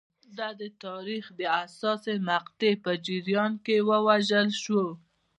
دا د تاریخ د حساسې مقطعې په جریان کې ژور شول.